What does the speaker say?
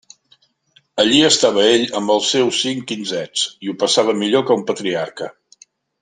Allí estava ell amb els seus cinc quinzets, i ho passava millor que un patriarca.